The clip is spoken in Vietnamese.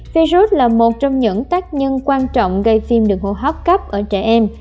virus là một trong những tác nhân quan trọng gây viêm đường hô hấp cấp ở trẻ em